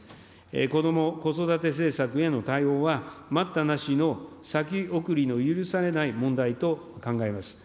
こども・子育て政策への対応は待ったなしの先送りの許されない問題と考えます。